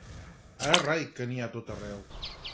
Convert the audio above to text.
Ara rai que n'hi ha a tot arreu!